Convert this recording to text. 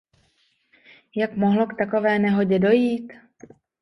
Jak mohlo k takové nehodě dojít?